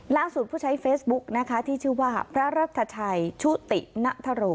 ผู้ใช้เฟซบุ๊กนะคะที่ชื่อว่าพระรัฐชัยชุติณฑโร